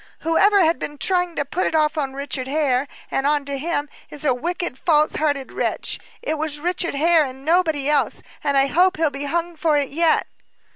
"Whoever has been trying to put it off Richard Hare, and on to him, is a wicked, false hearted wretch. It was Richard Hare, and nobody else, and I hope he'll be hung for it yet."